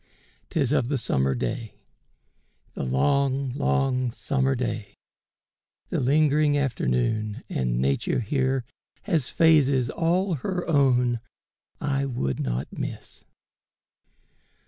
'Tis of the summer day — The long, long summer day — the lingering afternoon, And Nature here has phases all her own I would not miss.